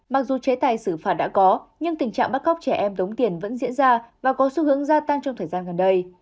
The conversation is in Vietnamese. mặc dù chế tài xử phạt đã có nhưng tình trạng bắt cóc trẻ em đống tiền vẫn diễn ra và có xu hướng gia tăng trong thời gian gần đây